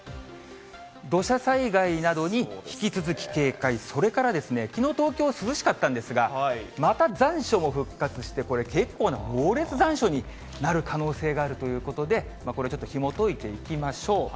土砂災害などに引き続き警戒、それからですね、きのう、東京涼しかったんですが、また残暑も復活して、これ、結構な猛烈残暑になる可能性があるということで、これちょっとひもといていきましょう。